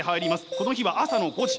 この日は朝の５時。